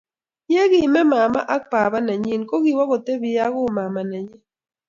Yikimee mama ak baba nenyin ko kiwo kotepi ak umama nenyin.